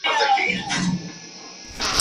ځینې سیاستوال سختې خبرې کوي.